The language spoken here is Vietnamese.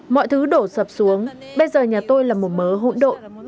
mọi thứ đổ sập xuống bây giờ nhà tôi là một mớ hỗn độ